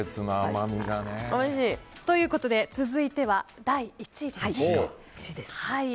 ということで続いては第１位ですね。